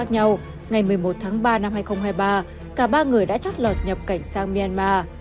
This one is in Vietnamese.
ngày một mươi một tháng ba năm hai nghìn hai mươi ba cả ba người đã chót lọt nhập cảnh sang myanmar